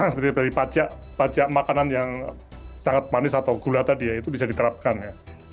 seperti dari pajak makanan yang sangat manis atau gula tadi ya itu bisa diterapkan ya